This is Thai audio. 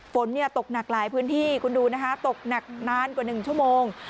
ฝนตกหนักหลายพื้นที่คุณดูนะคะตกหนักนานกว่า๑ชั่วโมง